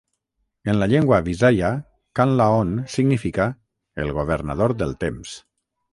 En la llengua visaia, "Kan-Laon" significa "el governador del temps".